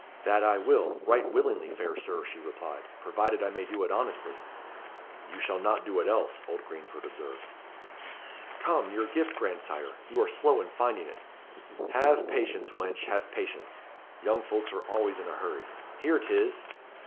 "That I will, right willingly, fair Sir," she replied; "provided I may do it honestly." "You shall not do it else," old Greenford observed. "Come, your gift, grandsire you are slow in finding it." "Have patience, wench, have patience. Young folks are always in a hurry. Here 'tis!"